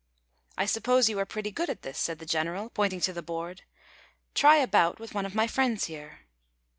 "I suppose you are pretty good at this," said the general, pointing to the board; "try a bout with one of my friends here."